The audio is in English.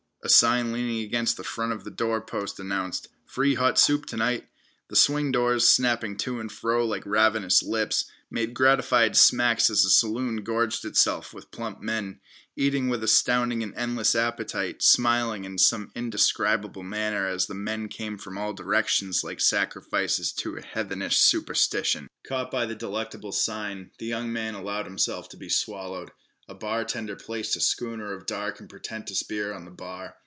A sign leaning against the front of the door post announced "Free hot soup to night!" The swing doors, snapping to and fro like ravenous lips, made gratified smacks as the saloon gorged itself with plump men, eating with astounding and endless appetite, smiling in some indescribable manner as the men came from all directions like sacrifices to a heathenish superstition. Caught by the delectable sign the young man allowed himself to be swallowed. A bartender placed a schooner of dark and portentous beer on the bar.